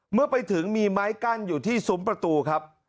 เมื่อไปถึงมีไม้กั้นอยู่ที่ซุ้มประตูครับ